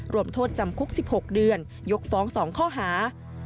รวมโทษจำคุก๑๖เดือนยกฟ้อง๒ข้อหา